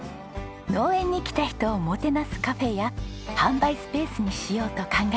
農園に来た人をもてなすカフェや販売スペースにしようと考えているんです。